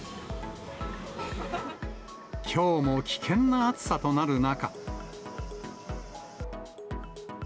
きょうも危険な暑さとなる中。